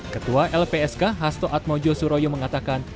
ketua lpsk hasto atmojo suroyo mengatakan